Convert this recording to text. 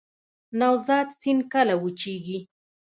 نوزاد سیند کله وچیږي؟